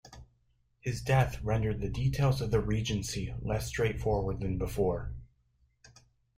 His death rendered the details of the Regency less straightforward than before.